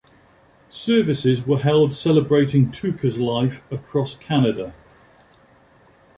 Services were held celebrating Tooker's life across Canada.